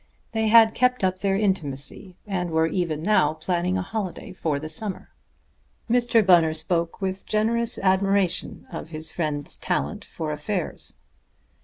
They had kept up their intimacy, and were even now planning a holiday for the summer. Mr. Bunner spoke with generous admiration of his friend's talent for affairs.